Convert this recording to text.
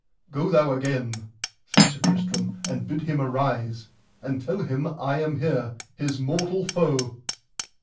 Go thou again, said Sir Tristram, and bid him arise, and tell him that I am here, his mortal foe.